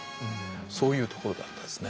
そういうところだったですね。